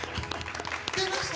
出ました！